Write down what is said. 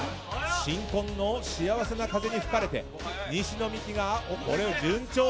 新婚の幸せな風に吹かれて西野未姫が、順調！